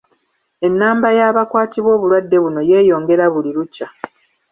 Ennamba y’abakwatibwa obulwadde buno yeeyongera buli lukya.